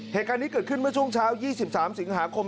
เหตุการณ์นี้เกิดขึ้นเมื่อช่วงเช้า๒๓สิงหาคม